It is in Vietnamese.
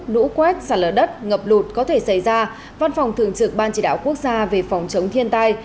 lũ quét xả lở đất ngập lụt có thể xảy ra văn phòng thường trực ban chỉ đạo quốc gia về phòng chống thiên tai